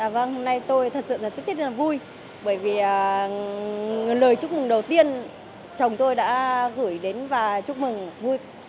vâng hôm nay tôi thật sự là vui bởi vì lời chúc mừng đầu tiên chồng tôi đã gửi đến và chúc mừng vui